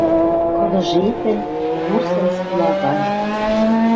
Кыды жепӹн, вурсын сила гань